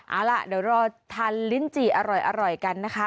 เอาล่ะเดี๋ยวรอทานลิ้นจี่อร่อยกันนะคะ